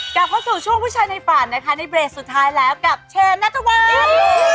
กลับเข้าสู่ช่วงผู้ชายในฝันนะคะในเบรกสุดท้ายแล้วกับเชนนัทวัน